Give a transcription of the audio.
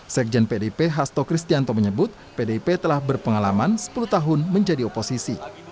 sekjen pdip hasto kristianto menyebut pdip telah berpengalaman sepuluh tahun menjadi oposisi